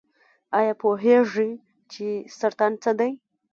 ایا پوهیږئ چې سرطان څه دی؟